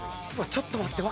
ちょっと待って。